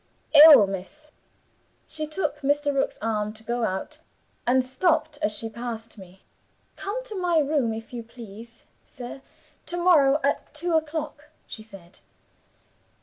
'Ill, miss.' She took Mr. Rook's arm to go out, and stopped as she passed me. 'Come to my room, if you please, sir, to morrow at two o'clock,' she said.